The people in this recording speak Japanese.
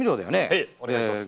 ええお願いします。